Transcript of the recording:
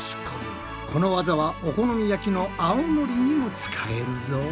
この技はお好み焼きのあおのりにも使えるぞ。